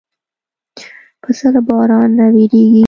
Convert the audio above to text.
پسه له باران نه وېرېږي.